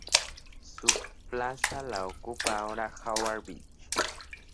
Su plaza la ocupa ahora Howard Beach.